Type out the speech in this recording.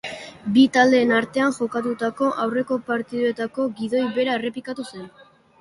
Bi taldeen artean jokatutako aurreko partidetako gidoi bera errepikatu zen.